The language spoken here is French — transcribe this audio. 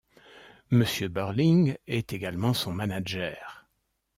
Monsieur Burling est également son manager.